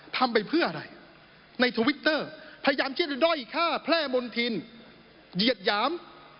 ทำไปเพื่ออะไรในทวิตเตอร์พยายามที่จะด้อยฆ่าแพร่มณฑินเหยียดหยาม